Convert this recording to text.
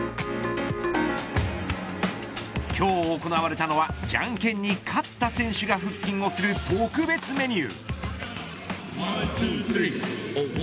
今日行われたのはじゃんけんに勝った選手が腹筋をする特別メニュー。